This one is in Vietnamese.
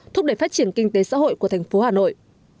thúc đẩy phát triển kinh tế xã hội của tp hà nội